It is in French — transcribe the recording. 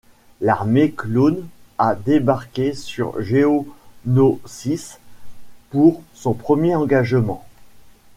L'Armée clone a débarqué sur Géonosis pour son premier engagement.